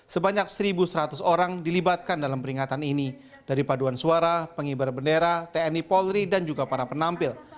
sebanyak satu seratus orang dilibatkan dalam peringatan ini dari paduan suara pengibar bendera tni polri dan juga para penampil